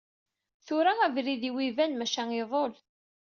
Tura abrid-iw iban, maca iḍul.